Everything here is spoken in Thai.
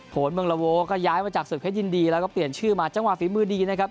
เมืองละโวก็ย้ายมาจากศึกเพชรยินดีแล้วก็เปลี่ยนชื่อมาจังหวะฝีมือดีนะครับ